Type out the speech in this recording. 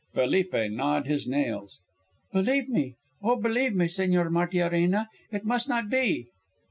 Felipe gnawed his nails. "Believe me, oh, believe me, Señor Martiarena, it must not be."